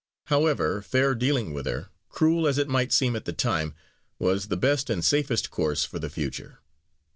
However, fair dealing with her, cruel as it might seem at the time, was the best and safest course for the future.